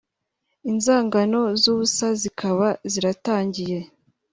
inzangano z’ubusa zikaba ziratangiye